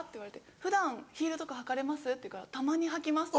普段ヒールとか履かれます？」って言うから「たまに履きます」。